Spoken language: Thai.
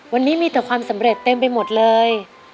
วันนี้มีแต่ความสำเร็จเต็มไปหมดเลย